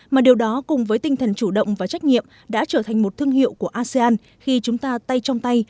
mà điều đó cùng với tinh thần chủ động và trách nhiệm đã trở thành một thương hiệu của asean khi chúng ta tay trong tay